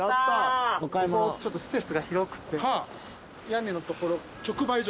ここちょっと施設が広くて屋根の所。